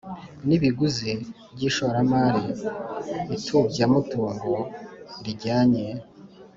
N ibiguzi by ishoramari itubyamutungo rijyanye